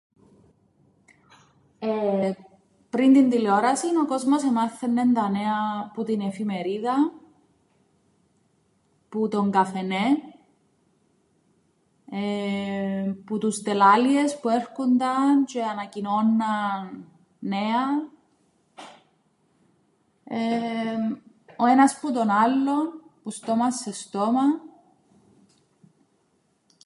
Εεε, πριν την τηλεόρασην ο κόσμος εμάθαιννεν τα νέα που την εφημερίδαν, που τον καφενέν, εεε που τους τελ(λ)άληες που έρκουνταν τζ̆αι ανακοινώνναν νέα, εεε, ο ένας που τον άλλον, που στόμαν σε στόμαν.